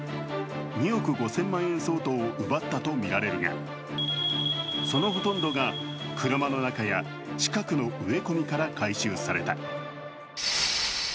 ２億５０００万円相当を奪ったとみられるが、そのほとんどが車の中や近くの植え込みから回収された。